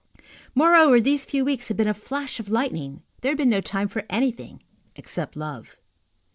Moreover, these few weeks had been a flash of lightning; there had been no time for anything except love.